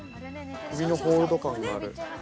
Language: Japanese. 首のホールド感がある。